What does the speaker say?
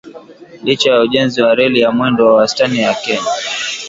Licha ya ujenzi wa reli ya mwendo wa wastan ya Kenya